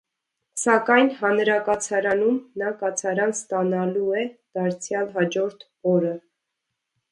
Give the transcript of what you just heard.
Սակայն հանրակացարանում նա կացարան ստանալու է դարձյալ հաջորդ օրը։